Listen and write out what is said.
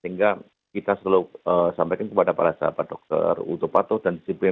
sehingga kita selalu sampaikan kepada para sahabat dokter utopato dan disiplin